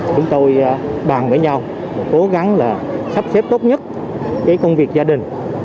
chúng tôi bàn với nhau cố gắng là sắp xếp tốt nhất cái công việc gia đình